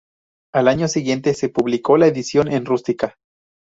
Al año siguiente, se publicó la edición en rústica.